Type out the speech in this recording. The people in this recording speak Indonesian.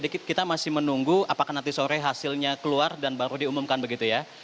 jadi kita masih menunggu apakah nanti sore hasilnya keluar dan baru diumumkan begitu ya